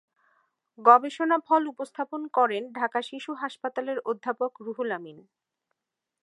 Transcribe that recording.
গবেষণা ফল উপস্থাপন করেন ঢাকা শিশু হাসপাতালের অধ্যাপক রুহুল আমিন।